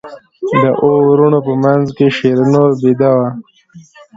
د اوو وروڼو په منځ کې شیرینو بېده وه.